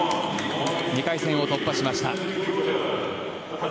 ２回戦を突破しました。